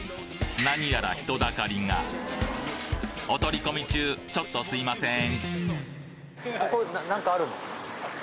なにやら人だかりがお取り込み中ちょっとすいません